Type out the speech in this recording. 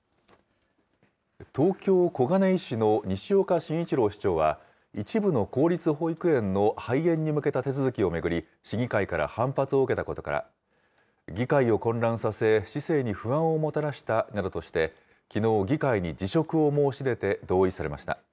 東京・小金井市の西岡真一郎市長は、一部の公立保育園の廃園に向けた手続きを巡り、市議会から反発を受けたことから、議会を混乱させ、市政に不安をもたらしたなどとして、きのう、議会に辞職を申し出て同意されました。